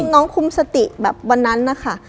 น้องคุมสติแบบวันนั้นนะคะ